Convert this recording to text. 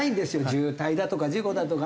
渋滞だとか事故だとかね。